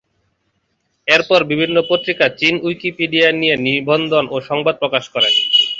এর পর বিভিন্ন পত্রিকা চীনা উইকিপিডিয়া নিয়ে নিবন্ধ ও সংবাদ প্রকাশ করে।